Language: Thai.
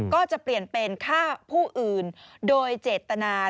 ก็จะเปลี่ยนเป็นฆ่าผู้อื่นโดยเจตนา